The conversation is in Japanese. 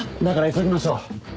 だから急ぎましょう。